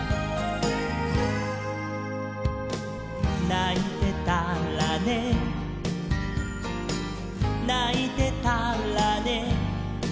「ないてたらねないてたらね」